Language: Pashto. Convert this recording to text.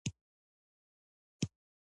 دا تر لوبې زیات څه نه دی.